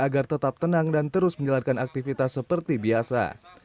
agar tetap tenang dan terus menjalankan aktivitas seperti biasa